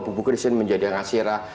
bu bu krisin menjadi angasira